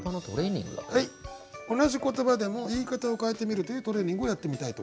同じ言葉でも言い方を変えてみるというトレーニングをやってみたいと思います。